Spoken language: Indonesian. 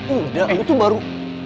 udah lo tuh baru